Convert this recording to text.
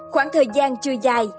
khoảng thời gian chưa dài